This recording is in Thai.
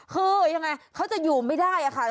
คือยังไงเขาจะอยู่ไม่ได้ค่ะ